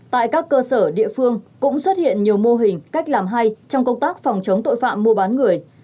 tại các cơ sở địa phương cũng xuất hiện nhiều mô hình cách làm hay trong công tác phòng chống tội phạm mua bán người